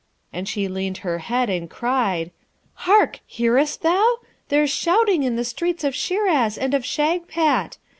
And she leaned her head, and cried, 'Hark! hear'st thou? there's shouting in the streets of Shiraz and of Shagpat!